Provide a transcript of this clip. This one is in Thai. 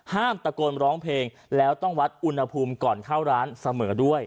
ตะโกนร้องเพลงแล้วต้องวัดอุณหภูมิก่อนเข้าร้านเสมอด้วย